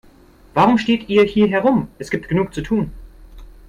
Warum steht ihr hier herum, es gibt genug zu tun.